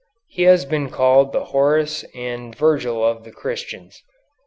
He has been called the Horace and Virgil of the Christians.